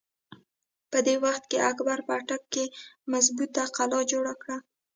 په دغه وخت کښې اکبر په اټک کښې مظبوطه قلا جوړه کړه۔